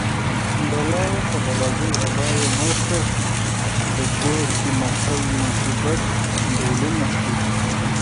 بلا وه که بلاګۍ ابا یې مړکه په چوړکۍ متل د مصیبت ډولونه ښيي